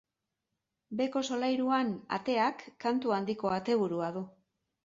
Beheko solairuan ateak kantu handiko ateburua du.